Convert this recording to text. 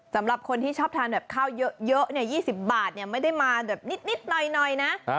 สำหรับคนที่ชอบทานแบบข้าวเยอะ๒๐บาทไม่ได้มาแบบนิดหน่อยนะ